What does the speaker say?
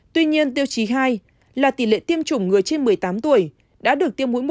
tuy nhiên tiêu chí hai là tỷ lệ tiêm chủng người trên một mươi tám tuổi đã được tiêm mũi một